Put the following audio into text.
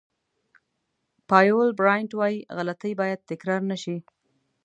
پایول براینټ وایي غلطۍ باید تکرار نه شي.